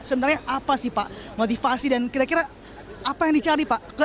sebenarnya apa sih pak motivasi dan kira kira apa yang dicari pak